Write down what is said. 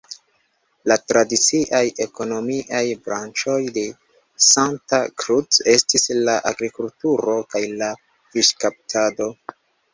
La tradiciaj ekonomiaj branĉoj de Santa Cruz estis la agrikulturo kaj la fiŝkaptado.